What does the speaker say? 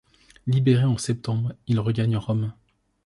Libéré en septembre, il regagne Rome.